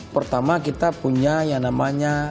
pertama kita punya yang namanya